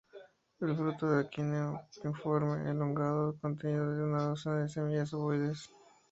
El fruto es un aquenio piriforme o elongado, conteniendo una docena de semillas ovoides.